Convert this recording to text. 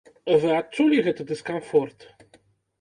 Вы адчулі гэты дыскамфорт?